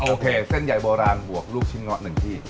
โอเคเส้นใหญ่โบราณบวกลูกชิ้นเงาะ๑ที่